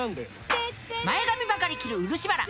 前髪ばかり切る漆原。